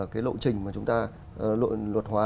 cái lộ trình mà chúng ta luật hóa